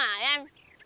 aku merasa demek